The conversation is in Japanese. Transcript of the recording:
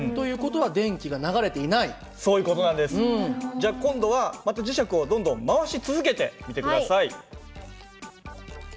じゃ今度はまた磁石をどんどん回し続けてみて下さい。